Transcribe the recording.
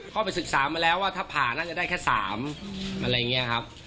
ก็ไปศึกษามาแล้วว่าถ้าผ่าน่าจะได้แค่๓อะไรอย่างนี้ครับ